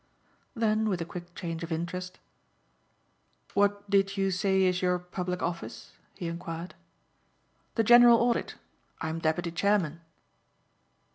Then with a quick change of interest, "What did you say is your public office?" he enquired. "The General Audit. I'm Deputy Chairman."